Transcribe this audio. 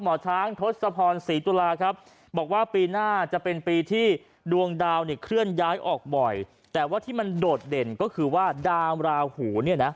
หมอช้างทศพรศรีตุลาครับบอกว่าปีหน้าจะเป็นปีที่ดวงดาวเนี่ยเคลื่อนย้ายออกบ่อยแต่ว่าที่มันโดดเด่นก็คือว่าดาวราหูเนี่ยนะ